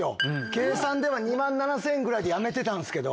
計算で２万７０００円ぐらいでやめてたんすけど。